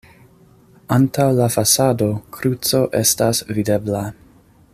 Antaŭ la fasado kruco estas videbla.